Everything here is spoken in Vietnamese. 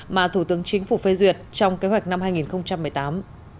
mà thủ tướng chính phủ phê duyệt trong kế hoạch năm hai nghìn một mươi tám